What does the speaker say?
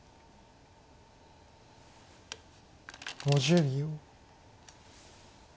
５０秒。